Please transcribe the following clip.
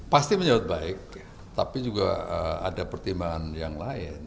pasti menyambut baik tapi juga ada pertimbangan yang lain